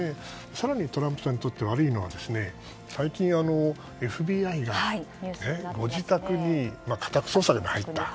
更にトランプさんにとって悪いのはＦＢＩがご自宅に家宅捜索に入った。